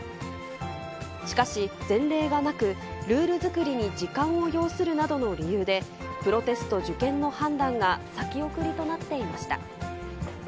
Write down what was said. しかし、前例がなく、ルール作りに時間を要するなどの理由で、プロテスト受験の判断が先送りとなっていました。